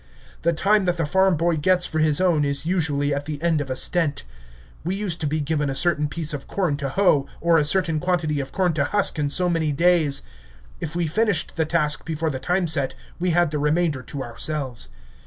The time that the farm boy gets for his own is usually at the end of a stent. We used to be given a certain piece of corn to hoe, or a certain quantity of corn to husk in so many days. If we finished the task before the time set, we had the remainder to ourselves.